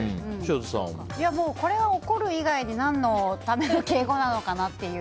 これは怒る以外に何のための敬語なのかなっていう。